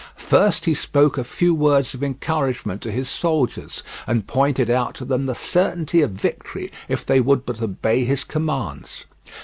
First he spoke a few words of encouragement to his soldiers, and pointed out to them the certainty of victory if they would but obey his commands.